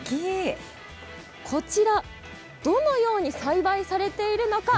こちらどのように栽培されているのか